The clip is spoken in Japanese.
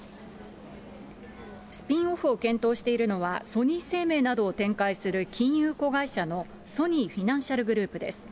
スピンオフを検討しているのは、ソニー生命などを展開する金融子会社のソニーフィナンシャルグループです。